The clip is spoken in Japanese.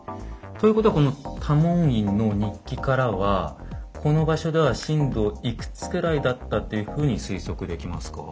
ということはこの「多門院」の日記からはこの場所では震度いくつくらいだったっていうふうに推測できますか？